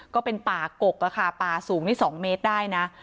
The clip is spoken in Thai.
ก็เป็นป่ากกอะค่ะป่าสูงนี่๒เมตรได้นะ